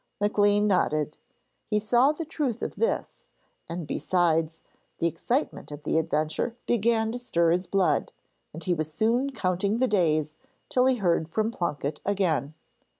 Maclean nodded. He saw the truth of this, and besides, the excitement of the adventure began to stir his blood, and he was soon counting the days till he heard from Plunket again.